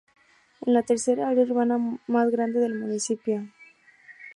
Es la tercera área urbana más grande del municipio.